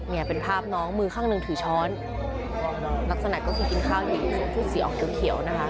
เนี่ยเป็นภาพน้องมือข้างหนึ่งถือช้อนลักษณะก็คือกินข้าวอยู่ชุดสีออกเขียวนะคะ